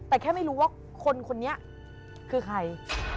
แต่แค่ไม่รู้ว่าคนคนนี้คือใคร